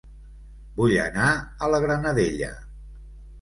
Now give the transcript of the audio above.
Vull anar a La Granadella